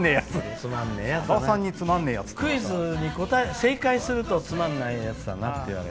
クイズに正解するとつまんねえやつだなって言われる。